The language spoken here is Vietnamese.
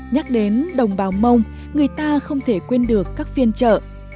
nhắc đến đồng bào mông người ta không thể quên được các phiên chợ